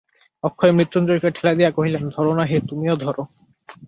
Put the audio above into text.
অক্ষয় মৃত্যুঞ্জয়কে ঠেলা দিয়া কহিলেন, ধরো না হে, তুমিও ধরো!